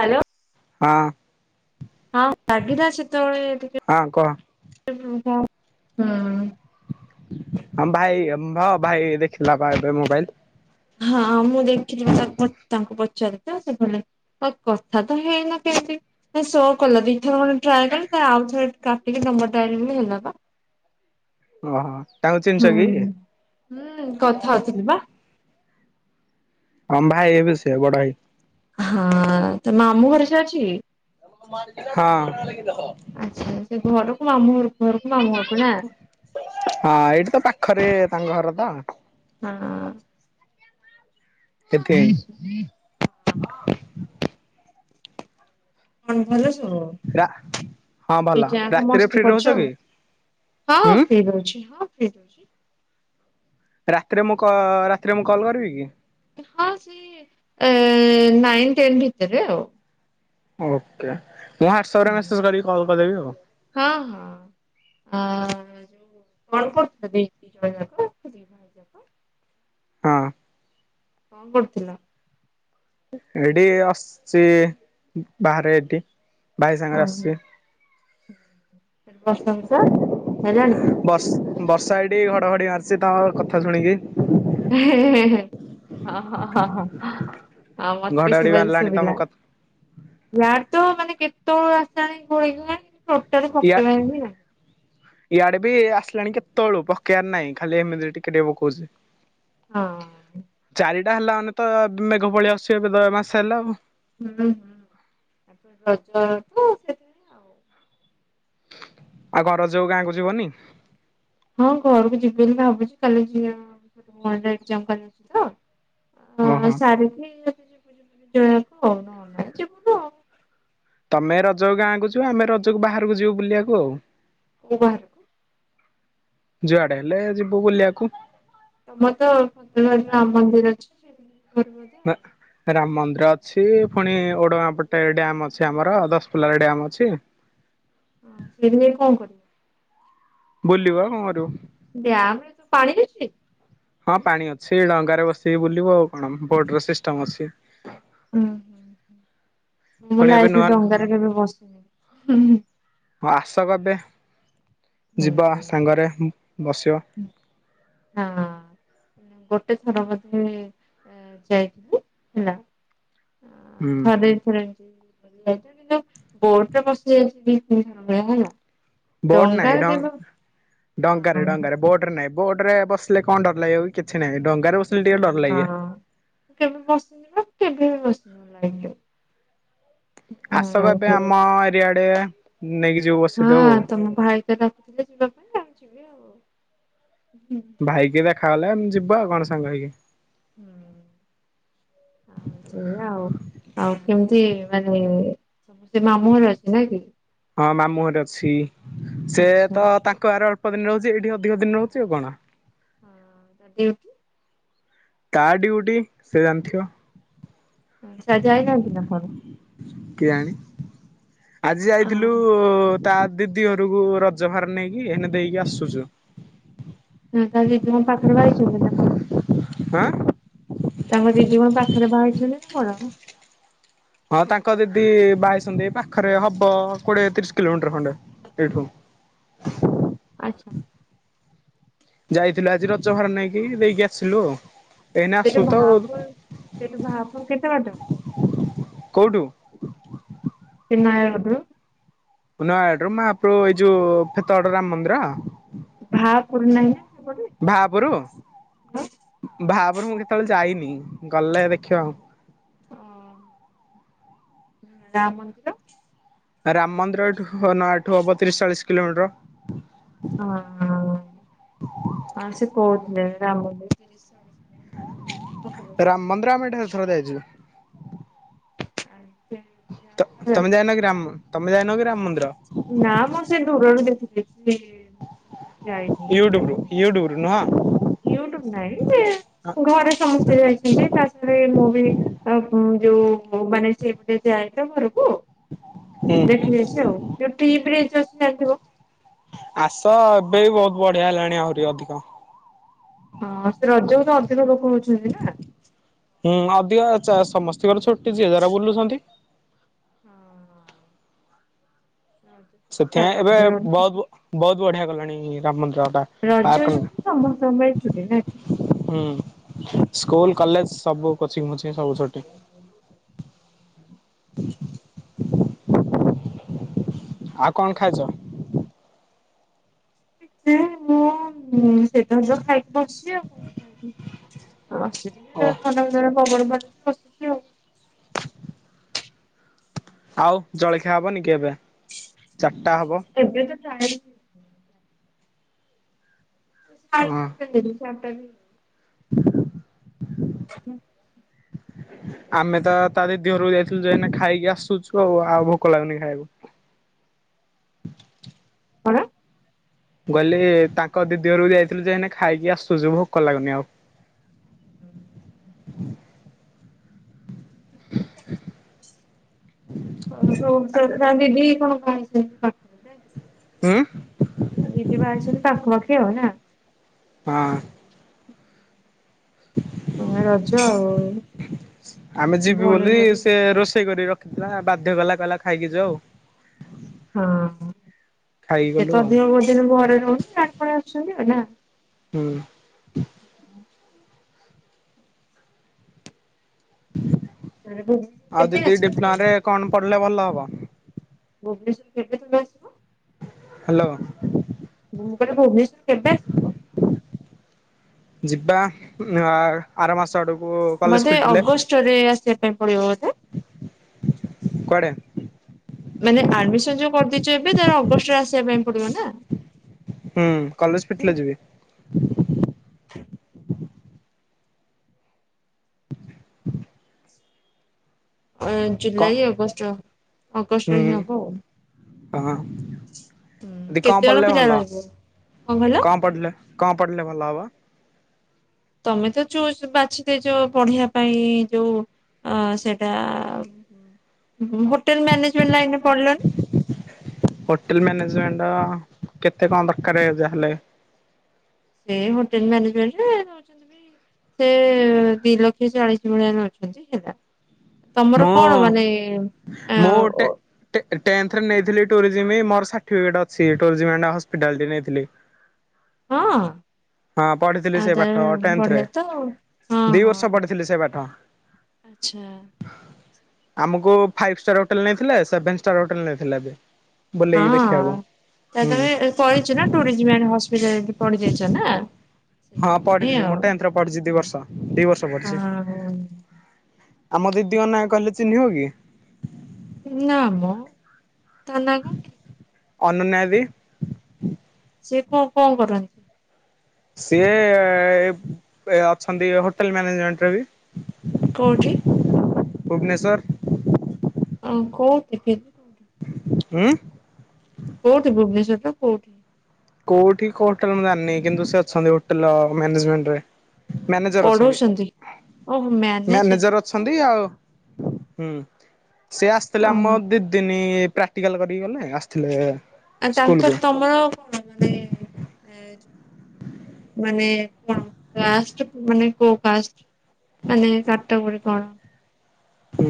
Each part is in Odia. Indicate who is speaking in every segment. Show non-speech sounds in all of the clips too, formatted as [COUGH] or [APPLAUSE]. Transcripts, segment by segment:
Speaker 1: ହାଲୋ
Speaker 2: ହଁ
Speaker 1: ହଁ ରା [UNINTELLIGIBLE] ଗିିଲା ସେତେବେଳେ
Speaker 2: ହଁ କହ
Speaker 1: ଟିକେ ହୁଁ।
Speaker 2: ଆମ ଭାଇ ଭ ଭାଇ ଦେଖିଲା ବା ଏବେ ମୋବାଇଲ
Speaker 1: ହଁ ମୁଁ ଦେଖିଚି ବା ତାଙ୍କୁ ପଚାରେ ତ ସେ ଭ ଆ କଥା ତ ହେଇନା କେମତି ଶୋ କଲା ଦିଥର ଖଣ୍ଡେ ଟ୍ରାଏ କଲି ଆଉ ଥରେ କାଟିକି ନମ୍ବର୍ ଡାଇ ହେଲା ବା।
Speaker 2: ଓହୋ ତାଙ୍କୁ ଚିହ୍ନିଛ
Speaker 1: ହୁଁ
Speaker 2: କି?
Speaker 1: ହୁଁ କଥା ହଉଛନ୍ତି ବା ।
Speaker 2: ହଁ ଭାଇ ହେବେ ସେ ବଡ ଭାଇ ।
Speaker 1: ହଁ ତ ମାମୁଁ ଘରେ ସେ ଅଛି କି?
Speaker 2: [UNINTELLIGIBLE] ହଁ
Speaker 1: ମୋ ମାମୁଁଘର
Speaker 2: ହଁ ଏଇଠି ତ ପାଖରେ ତାଙ୍କ ଘର ତ ସେଥିପାଇଁ
Speaker 1: ହୁଁ ହୁଁ କଣ ଭଲ ସବୁ
Speaker 2: ରା ହଁ ଭଲ
Speaker 1: ଦି ଜଣ ଯାକ
Speaker 2: ରାତିରେ ଫ୍ରି
Speaker 1: ମସ୍ତି
Speaker 2: ରହୁଛ
Speaker 1: କରୁଛ ଆଉ
Speaker 2: କି
Speaker 1: ହଁ
Speaker 2: ହୁଁ?
Speaker 1: ହେଇଯାଉଛି ହଁ। କି?
Speaker 2: ରାତିରେ ମୁଁ କ ରାତିରେ ମୁଁ କଲ୍ କରିବି କି?
Speaker 1: ହଁ ସେ ନାଇନ ଟେନ୍ ଭିତରେ ଆଉ।
Speaker 2: ଓକେ ମୁଁ ହ୍ୱାଟ୍ସଆପରେ
Speaker 1: ହୁଁ।
Speaker 2: ମେସେଜ କରିକି କଲ୍ କରିଦେବି ଆଉ।
Speaker 1: ହଁ ହଁ ଆ ଯୋଉ କଣ କରୁଛନ୍ତି?
Speaker 2: ହଁ
Speaker 1: କଣ କରୁଥିଲ?
Speaker 2: ଏଇଠି ଆସୁଛି ବାହାରେ ଏଠି। ଭାଇ ସାଙ୍ଗରେ
Speaker 1: ଓହୋ।
Speaker 2: ଆସଛି।
Speaker 1: ବର୍ଷା ଫର୍ଷା ହେଲାଣି?
Speaker 2: ବର୍ଷ ବର୍ଷା ଏଇଠି ଘଡ଼ଘଡ଼ି ମାରୁଛି ତମ କଥା ଶୁଣିକି।
Speaker 1: ହେ ହେ ହେ ହେ ହଁ ହଁ ହଁ ହଁ ହଁ ମତେ ବି
Speaker 2: ଘଡଘଡି
Speaker 1: ଶୁଭା
Speaker 2: ମାରିଲାଣି ତମ
Speaker 1: ଶୁଭିଲା
Speaker 2: କଥା
Speaker 1: ୟାର ତ ମାନେ କେତେବେଳ କେଜାଣି କହିବି। ଟୋଟାଲି
Speaker 2: ୟା
Speaker 1: ପକେଇବାର ହିଁ ନାହିଁ।
Speaker 2: ଇଆଡେ ବି ଆସିଲାଣି କେତେବେଳୁ ପକେଇବାର ନାହିଁ ଖାଲି ଏମିତି ଟିକେ ଟିକେ ପକଉଛି।
Speaker 1: ହଁ
Speaker 2: ଏଇଟା ହେଲା ମାନେ ତ ମେଘ ପଳେଇ ଆସୁଛି ଏବେ ତ ମାସେ ହେଲା ଆଉ।
Speaker 1: ହୁଁ ହୁଁ ତାପରେ ରଜ ତ ସେଥିରେ ଆଉ
Speaker 2: ଆଉ ଯୋଉ ରଜକୁ ଗାଁକୁ ଯିବନି?
Speaker 1: ହଁ ଘରକୁ ଯିବି ବୋଲି ଭାବୁଛି କାଲି ଯିବା ଭଉଣୀର ଏକଜାମ୍ କାଲି ଅଛି ତ
Speaker 2: ଓହୋ
Speaker 1: ହଁ ସାରିକି ଯିବୁ ଆଉ।
Speaker 2: ତମେ ରଜକୁ ଗାଁକୁ ଯିବ ଆମେ ରଜକୁ ବାହାରକୁ ଯିବୁ ବୁଲିବାକୁ ଆଉ।
Speaker 1: କୋଉ ବାହାରକୁ?
Speaker 2: ଯୁଆଡେ ହେଲେ ଯିବୁ ବୁଲିବାକୁ।
Speaker 1: ତମର ତ ଚନ୍ଦ୍ରଭାଗା ରାମ ମନ୍ଦିର ଅଛି। ହୁଁ
Speaker 2: ନା ରାମ ମନ୍ଦିର ଅଛି ପୁଣି ଓଡଗାଁ ପଟେ ଡ୍ୟାମ ଅଛି ଆମର ଦଶପୁଲାର ଡ୍ୟାମ ଅଛି।
Speaker 1: ହ ସେ କଣ କରିବ।
Speaker 2: ବୁଲିବୁ ଆଉ କଣ କରିବୁ।
Speaker 1: ଡ୍ୟାାମରେ ତୁ ପାଣି ରେ
Speaker 2: ହଁ ପାଣି ଅଛି ଡଙ୍ଗାରେ ବସିକି ବୁଲିବୁ ଆଉ କଣ ବୋଟ ର ସିଷ୍ଟମ ଅଛି।
Speaker 1: ହୁଁ ହୁଁ ହୁଁ ମୁଁ ମୋ
Speaker 2: ପୁଣି ଏବେ
Speaker 1: ଲାଇଫରେ
Speaker 2: ନୂଆ
Speaker 1: ଡ଼ଙ୍ଗାରେ କେବେ ବସିନି। ହୁଁ
Speaker 2: ହଁ ଆସ କେବେ
Speaker 1: ହୁଁ
Speaker 2: ଯିବା
Speaker 1: ହଁ
Speaker 2: ସାଙ୍ଗରେ ବସିଵ
Speaker 1: ହଁ ଗୋଟେ ଥର ବୋଧେ ଯାଇଥିଲି ହେଲା
Speaker 2: ହୁଁ
Speaker 1: ଥରେ ଥରେ ଛ କିନ୍ତୁ ବୋଡରେ ବସି ଯାଇଛି ହେଲା
Speaker 2: ବୋଟ ନାହିଁ
Speaker 1: ଡଙ୍ଗାରେ
Speaker 2: ଡ
Speaker 1: କେବେ ହଁ
Speaker 2: ଡଙ୍କାରେ
Speaker 1: ହଁ।
Speaker 2: ଡଙ୍କାରେ ବୋଟ ନାଇଁ ବୋର୍ଡ ରେ ବସିଲେ କଣ ଡରିଲ ଏଉ କେତେ
Speaker 1: ହଁ କେବେ ବସିଯିବା କେବେ ବି ବସି ମୋ ଲାଇଫ ରେ
Speaker 2: ଆସ କେବେ ଆମ ଏରିଆଡେରେ
Speaker 1: ହଁ ତମ ଭାଇ ତ ଡାକୁଥିଲେ ଯିବା ପାଇଁ ଚାହୁଁ ଯିବି ଆଉ, ହୁଁ।
Speaker 2: ଭାଇ କେ ଦେଖ ଖାଲେ ଜୀବ ହେଲେ ସାଙ୍ଗ ହେଇକି।
Speaker 1: ହୁଁ ଆଉ ସେଇା ଆଉ ଆଉ କେମିତି ମାନେ ସମ ସେ ମାମୁଁରେ ଅଛି ନା କି
Speaker 2: ହଁ ମାମୁଁରେ ଅଛି। ସେ
Speaker 1: ଆଚ୍ଛା
Speaker 2: ତ ତାଙ୍କୁ ଆର ଅଳ ସ ଦିନରେ ରହୁଛି ଏଇଠି ଅଧିକ ଦିନ ରହୁଛି ଆଉ କଣ
Speaker 1: ହଁ ଡିଉଟି
Speaker 2: ତା ଡିଉଟି ସେ ଜାଣିଥିବ।
Speaker 1: ସାଇକି ଇନା କିନା କଣ
Speaker 2: କେୟାଣୀ ଆଜି ଯାଇଥିଲୁ
Speaker 1: ହଁ।
Speaker 2: ତା ଦିଦି ଘରକୁ ରଜ ବାହାର ନେଇକି ଏନେ ଦେଇକି ଆସୁଛୁ।
Speaker 1: ହଁ ତା ସେି ମ ପାଖରେ ବାହାରିଛନ୍ତି ନା କଣ
Speaker 2: ଆଁ
Speaker 1: ତାଙ୍କର ଦିଦି କଣ ପାଖରେ ବାହାରିଛନ୍ତି ନା କଣ
Speaker 2: ହଁ ତାଙ୍କ ଦିଦି ବାହାହେଇସନ୍ତି ପାଖରେ ହବ କୋଡିଏ ତିରିଶ କିଲୋମିଟର ଖଣ୍ଡେ ଏଇଠୁ
Speaker 1: ଆଛା
Speaker 2: ଯାଇଥିଲୁ ଆଜି ରଜ ଭାର ନେଇକି ଦେଇକି ଆସିଲୁ ଆଉ ଏଇନେ ଆସୁ
Speaker 1: ସେଟା
Speaker 2: ତ
Speaker 1: ଭା
Speaker 2: ଆଉ
Speaker 1: ପୁର ସେଠୁ ଭା ପୁର କେତେ ବାଟ
Speaker 2: କୋଉଠୁ
Speaker 1: ଏଇ ନୟାଗଡ଼ ରୁ
Speaker 2: ନୟାଗଡ ର ମାପ ଏଇ ଯୋଉ ଫେତେଗଡ ରାମ ମନ୍ଦିର
Speaker 1: ଭା ପୁର ନହିଁ ନା ସେପଟେ?
Speaker 2: ଭା ପୁରୁ
Speaker 1: ହଁ।
Speaker 2: ଭା ଗୁରୁ ମୁଁ କେତେବେଳେ ଯାଇନି ଗଲେ ଦେଖିବା ଆଉ।
Speaker 1: ଓ ରାମ ମନ୍ଦିର?
Speaker 2: ରାମ ମନ୍ଦିର ଏଠୁ ହୁ ନ ଏଠୁ ହବ ତିରିଶ ଚାଳିଶ କିଲୋମିଟର।
Speaker 1: ହଁ ହେ ରାମ ମନ୍ଦିର ତିରିଶ ଚାଳିଶ
Speaker 2: ରାମ ମନ୍ଦିର ଆମେ ଏଠାକୁ ଥରେ ଯାଇଛୁ। ତ ତମେ ଯାଇନ କି ରାମ ତମେ ଯାଇନକି ରାମ ମନ୍ଦିର?
Speaker 1: ନା ମ ସେ ଦୂରରୁ ଦେଖିଥିଲି। ମୁଁ ଯାଇନି ଦେଖିବା
Speaker 2: ୟୁଟ୍ୟୁବରୁ ୟୁଟ୍ୟୁବରୁ ନୁହଁ।
Speaker 1: ପାଇଁ ୟୁଟୁବ୍ ନାଇ ଘରେ ସମସ୍ତେ ଯାଇଛନ୍ତି ଫାଷ୍ଟ ଥରେ ମୁଁ ବି ଯୋଉ ମାନେ ସେ ପଟେ ଯାଏ ତ ଘର କୁ ମୁ
Speaker 2: ହୁଁ
Speaker 1: ଦେଖି ଦେଇଛି ଆଉ। ଚାଣିଥିବ [UNINTELLIGIBLE]
Speaker 2: ଆସ ଏବେ ବହୁତ ବଢିଆ ହେଲାଣି ଆହୁରି ଅଧିକ।
Speaker 1: ହଁ ସେ ରଜକୁ ତ ଅଧିକ ଲୋକ ହଉଛନ୍ତି ନା
Speaker 2: ସ ସମସ୍ତିଙ୍କର ଛୁଟି ଯିଏ ଯାର ବୁଲୁଛନ୍ତି।
Speaker 1: ହଁଅ।
Speaker 2: ସେଥିପାଇଁ ଏବେ
Speaker 1: ରଜ ଛୁଟି
Speaker 2: ବହୁତ ବହୁତ ବଢିଆ ଗଲାଣି ରାମ ମନ୍ଦିର ଟା ପାର୍କ
Speaker 1: ରଜ
Speaker 2: ହୁଁ
Speaker 1: ଛୁଟି ସମସ୍ତଙ୍କ ପାଇ ଛୁଟି ନା କି
Speaker 2: [INAUDIBLE] ସ୍କୁଲ କଲେଜ୍ ସବୁ କୋଚିଂ ବୋଚିଂ ସବୁ ସେଠି ଆଉ କଣ ଖାଇଛ?
Speaker 1: [UNINTELLIGIBLE] ମୁଁ ସେତେବେଳେ ଯୋଉ ଖାଇକି ବସିଚି ଆଉ ଆସିଛି
Speaker 2: ଓ
Speaker 1: ଟିକେ ଥଣ୍ଡା ଥଣ୍ଡା ପବନ ବା ଏଠି ବସିଚି ଆଉ।
Speaker 2: ଆଉ ଜଳଖିଆ ହବନି କି ଏବେ ଚା ଟା ହବ।
Speaker 1: [UNINTELLIGIBLE] [UNINTELLIGIBLE] ହ
Speaker 2: ହ
Speaker 1: ହୁଁ
Speaker 2: ଆମେ ତ ତା ଦିଦି ଘରକୁ ଯାଇଥିଲୁ ଯାଇ ଖାଇକି ଆସୁଛୁ ଆଉ ଆଉ ଭୋକ ଲାଗୁନି ଖାଇବାକୁ।
Speaker 1: କଣ?
Speaker 2: ଗହିଲି ତାଙ୍କ ଦିଦି ଘରୁ ଯାଇଥିଲୁ ଯେ ହେନା ଖାଇକି ଆସୁଛୁ ଭୋକ ଲାଗୁନି ଆଉ।
Speaker 1: ହୁଁ ହ ସ ତା ଦିଦି କଣ ପାଖ
Speaker 2: ହଁ
Speaker 1: ଗିଦି ବାରଛନ୍ତିଛନ୍ତି ପାଖପଖି ନା
Speaker 2: ପାଁ
Speaker 1: ରଜ ଆଉ
Speaker 2: ଆମେ ଯିବୁ
Speaker 1: ଭଉଣୀ
Speaker 2: ବୋଲି
Speaker 1: ଘରୁ
Speaker 2: ସେ ରୋଷେଇ କରି ରଖ। ଥିଲା ବାଧ୍ୟ କଲା କହିଲା ଖାଇକି ଯ ଆଉ
Speaker 1: ହଁ
Speaker 2: ଖାଇକି
Speaker 1: ସେ
Speaker 2: ଗଲୁ ଆଉ
Speaker 1: ତଧିକ ଭୋଜିନ ଭରେ ରହୁନି ଆଡ ପଣି ଆସୁଛନ୍ତି ନା
Speaker 2: ହୁଁ
Speaker 1: ହୁଁ
Speaker 2: ଆଉ
Speaker 1: କେବେ
Speaker 2: ଦିଦି
Speaker 1: ଆସିବୁ ତୁ
Speaker 2: ଡିପ୍ଲଁ ରେ କଣ ପଡିଲେ ଭଲ ହବ
Speaker 1: ଭୁବନେଶ୍ଵର କେତବେେ ତମେ ଆସିବ
Speaker 2: ହ୍ୟାଲୋ
Speaker 1: ଗଟେ ଭୁବନେଶ୍ଵରରେ କେବେ ଆସିବ
Speaker 2: ଯିବା ଆର ମାସ ଆଡକୁ କଲେଜ
Speaker 1: ବୋଧେ
Speaker 2: ଫିଟିଲେ
Speaker 1: ଅଗଷ୍ଟରେ ଆସିବା ପାଇଁ ପଡିବ ବୋଧେ
Speaker 2: କୁଆଡେ?
Speaker 1: ମାନେ ଆଡମିସନ ଯୋଉ କରିଦେଇଛୁ ଏବେ ତାର ଅଗଷ୍ଟରେ ଆସିବା ପାଇଁ ପଡିବ ନା
Speaker 2: ହୁଁ କଲେଜ ପିଟ ଯିବି
Speaker 1: [UNINTELLIGIBLE]
Speaker 2: ହଁ
Speaker 1: ଅ
Speaker 2: କଣ
Speaker 1: ଜୁଲାଇ ଅଗଷ୍ଟ
Speaker 2: ହୁଁ
Speaker 1: ଅଗଷ୍ଟରେ ହିଁ ହବ ଆଉ
Speaker 2: ହ ଦଦି
Speaker 1: କେତେ
Speaker 2: କଣ
Speaker 1: ଜଣ
Speaker 2: ପଢିଲେ
Speaker 1: ପିଲା
Speaker 2: ଭଲ
Speaker 1: ରହିବେ
Speaker 2: କଣ ପଢିଲ କଣ ପଢିଲେ ଭଲ ହବ
Speaker 1: ତମେ ତ ଚୁ ବାଛିଦ ଯୋଉ ପଢିବା ପାଇଁ ଯୋଉ ଅ ସେଟା ହୋଟେଲ ମ୍ୟାନେଜମେଣ୍ଟ ଲ ଏେ ପଡିଲନ
Speaker 2: ହୋଟେଲ ମ୍ୟାନେଜମେଣ୍ଟ କେତେ କଣ ଦରକାର ଯାହାହେଲେ
Speaker 1: ସେ ହୋଟେଲ ମାନେଜମଣ୍ଟରେ ନଉଛନ୍ତି ସେ ଦି ଲକ୍ଷ ଚାଳିଶ ଭଳିଆ ନଉଛନ୍ତି ହେଲା ତମର
Speaker 2: ମୁଁ
Speaker 1: କଣ ମାନେ ଆ
Speaker 2: ଏରେ ନେଇଥିଲି ମୋର ସଟି ଅିଟା ନେଇଥିଲି।
Speaker 1: ହଁ
Speaker 2: ହଁ ପଢିଥିଲି ସେ
Speaker 1: ଆଦ
Speaker 2: ପାଠ ଟେନ୍ଥରେ
Speaker 1: ବଢଆ ତ ହଁ
Speaker 2: ଦି ବର୍ଷ
Speaker 1: ହଁ
Speaker 2: ପଢିଥିଲି ସେ ପାଠ।
Speaker 1: ଆଛା
Speaker 2: ଆମକୁ ଫାଇଭ ହୋଟେଲ ନେଇଥିଲା ସେଭେନ ହୋଟେଲ ନେଇଥିଲା ଏବେ
Speaker 1: ହଁ
Speaker 2: ବୁଲେଇକି ଦେଖିବାକୁ
Speaker 1: ତମେ
Speaker 2: ହୁଁ
Speaker 1: ତାହେଲେ କରିଛ ନା ଟୁରିଜିମ୍ ଆଡ଼େ ହସ୍ପିଟାଲ ପଡି ଯାଇଛ ନା ।
Speaker 2: ହଁ ପଡ଼ଛି ମୋଟା ଯନ୍ତ୍ର ପଡ଼ିଛିି ଦି ବର୍ଷ। ଦି ବର୍ଷ ପଢିଛି।
Speaker 1: ହଁ।
Speaker 2: ଆମ ଦିଦିଙ୍କ ନା କହିଲେ ଚିହ୍ନିବ କି?
Speaker 1: ନାମ ତା ନାଁ କଣ?
Speaker 2: ଅନନ୍ୟା ଦିଦି
Speaker 1: ସିଏ କଣ କଣ କରନ୍ତି?
Speaker 2: ସିଏ ଅଛନ୍ତି ହୋଟେଲ ମ୍ୟାନେଜମେଣ୍ଟରେ ବି
Speaker 1: କୋଉଠି?
Speaker 2: ଭୁବନେଶ୍ୱର ।
Speaker 1: ଆ କୋଉ ଦିଦି
Speaker 2: ଉଁ
Speaker 1: କୋଉଠି ଭୁବନେଶ୍ଵରର କୋଉଠି?
Speaker 2: କୋଉଠି କୋଉ ହୋଟେଲ ମୁଁ ଜାଣିନି କିନ୍ତୁ ସେ ଅଛନ୍ତି ହୋଟେଲ ମ୍ୟାନେଜମେଣ୍ଟରେ ମ୍ୟାନେଜର ଅଛନ୍ତି
Speaker 1: ପଢଉଛନ୍ତି
Speaker 2: ମ୍ୟାନେଜର ଅଛନ୍ତି ଆଉ ହୁଁ। ସିଏ ଆସିଥିଲେ ଆମ
Speaker 1: ଓହୋ
Speaker 2: ଦି ଦିନ ପ୍ରାକ୍ଟିକାଲ କରିକି ଗଲେ ଆସିଥିଲେ
Speaker 1: ଆଉ
Speaker 2: ସ୍କୁଲକୁ।
Speaker 1: ତାଙ୍କର ତମର କଣ? ମାନେ ଯୋଉ ମାନେ କଣ ଲାଷ୍ଟ ମାନେ କୋଉ କାଷ୍ଟ ମାନେ ତାଙ୍କ ତ ପୁଣି କଣ?
Speaker 2: ହୁଁ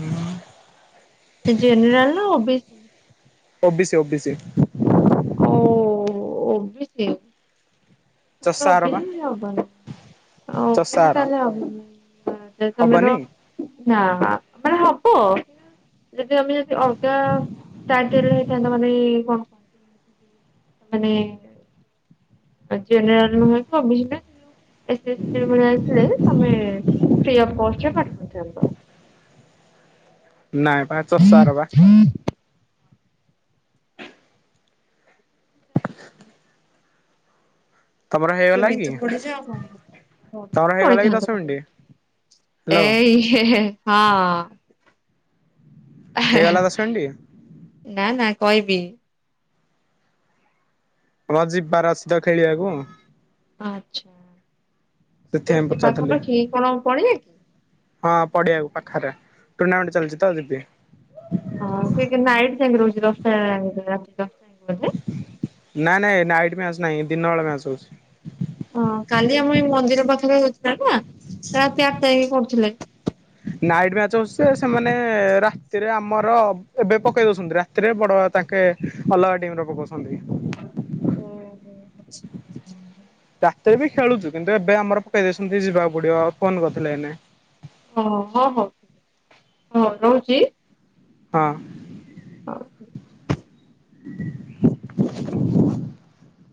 Speaker 2: ।
Speaker 1: ସିଏ ଜେନେରାଲ ନା ଓ ବି ସି?
Speaker 2: ଓ ବିି ସି ଓ ବିି ସିି ।
Speaker 1: ଓ ଓ ବି ସି। ଓ
Speaker 2: ଚଷାର
Speaker 1: ବି
Speaker 2: ବା
Speaker 1: ସି ହବନି ଆଉ ଓ ବି ସି
Speaker 2: ଚଷାର
Speaker 1: ତାହେଲେ ହବନି ଯଦି ତମର
Speaker 2: ହବନି?
Speaker 1: ନା ମାନେ ହବ ଯଦି ଆମେ ଯଦି ଅଲଗା ଚାରିଟାରେ ହେଇଥାନ୍ତା ମାନେ କଣ କୁହନ୍ତି ମାନେ ଆ ଜେନେରାଲ ନୁହେଁ କି ଓ ବି ସି ନୁହେଁ ଏ ଇ ବି ସି ଭଳିଆ ହେଇଥିଲେ ତମେ ଫ୍ରି ଅଫ୍ କଷ୍ଟରେ ପାଠ ପଢ଼ିଥାନ୍ତ।
Speaker 2: ନାଇଁ ପା ଚଷାଘର ବା । ତମର
Speaker 1: ଆଉ
Speaker 2: ହେଇଗଲା
Speaker 1: ଏମତି
Speaker 2: କି
Speaker 1: ତ ପଢ଼ିଚି ଆଉ କଣ
Speaker 2: ତମର ହେଇଗଲା କି ଦଶ ମିନିଟ୍?
Speaker 1: ପଢ଼ିଥାନ୍ତ
Speaker 2: ହ୍ୟାଲୋ
Speaker 1: ଏଇ ହଁ ।
Speaker 2: ହେଇଗଲା ଦଶ ମିନିଟ୍?
Speaker 1: ନା ନା କହିବି
Speaker 2: ହଁ ଯିବାର ଅଚ୍ଛି ତ ଖେଳିବାକୁ
Speaker 1: ଆଚ୍ଛା
Speaker 2: ସେଥିପାଇଁ
Speaker 1: ଏଇଠି
Speaker 2: ପଚାରୁଥିଲି
Speaker 1: ପାଖାପାଖି କଣ ପଡିଆ ଅଛି
Speaker 2: ହଁ ପଡିଆକୁ ପାଖରେ ଟୁର୍ଣ୍ଣାମେଣ୍ଟ ଚାଲିଛି ତ ଯିବି
Speaker 1: ହଁ ସେଠି ନାଇଟ୍ ଯାଙ୍କେ ରହୁଛି ଦଶ ତା ରାତି ଦଶ
Speaker 2: ନାଇଁ ନାଇଁ ନାଇଟ୍ ମ୍ୟାଚ ନାଇଁ ଦିନ ମ୍ୟାଚ ବେଳା ମ୍ୟାଚ୍ ହଉଛି।
Speaker 1: ମୁଁ ଏଇ ମନ୍ଦିର ପାଖରେ [UNINTELLIGIBLE] ନା ସେ ରାତି ଆଠଟା ଯାଏଁ କରୁଥିଲେ।
Speaker 2: ନାଇଟ ମ୍ୟାଚ ହଉଛି ସେମାନେ ରାତିରେ ଆମର ଏବେ ପକେଇ ଦଉଛନ୍ତି ରାତିରେ ବଡ ତାଙ୍କେ ଅଲଗା ଟିମରେ ପକଉଛନ୍ତି।
Speaker 1: ଓ ହୋ।
Speaker 2: ରାତିରେ ବି ଖେଳୁଛୁ କିନ୍ତୁ ଏବେ ଆମର ପକେଇ ଦେଇଇଛନ୍ତି ଯିବାକୁ ପଡିବ ଆଉ ଫୋନ୍ କରିଥିଲେ ଏଇନେ।
Speaker 1: ହଁ ହଁ ହଉ ହଁ ରହୁଛି।
Speaker 2: ହଁ।
Speaker 1: [UNINTELLIGIBLE]
Speaker 2: [INAUDIBLE]